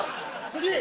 次！